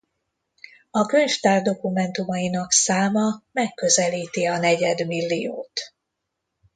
A könyvtár dokumentumainak száma megközelíti a negyedmilliót.